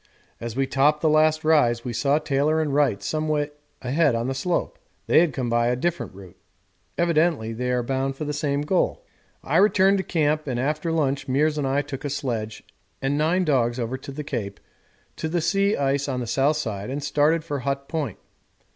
As we topped the last rise we saw Taylor and Wright some way ahead on the slope; they had come up by a different route. Evidently they are bound for the same goal. I returned to camp, and after lunch Meares and I took a sledge and nine dogs over the Cape to the sea ice on the south side and started for Hut Point.